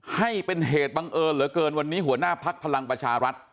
ให้เป็นเหตุบังเอิญเหลือเกินวันนี้หัวหน้าภักดิ์พลังประชารัฐ